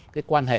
cái quan hệ